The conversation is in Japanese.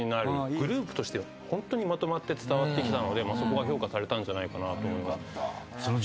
グループとしてホントにまとまって伝わってきたのでそこが評価されたんじゃないかなと思います。